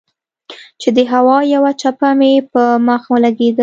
چې د هوا يوه چپه مې پۀ مخ ولګېده